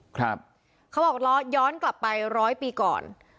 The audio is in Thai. เขาบอกล้อย้อนกลับไปร้อยปีก่อน